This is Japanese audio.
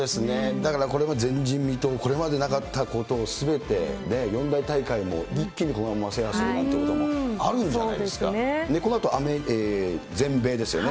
だから、これは前人未到、これまでなかったことをすべてね、四大大会も一気にこのまま制覇するなんてこともあるんじゃないでそうですね。